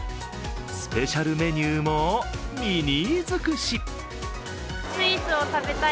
スペシャルメニューもミニー尽くし。